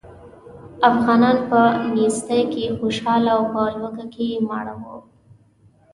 افغانان په نېستۍ کې خوشاله او په لوږه کې ماړه وو.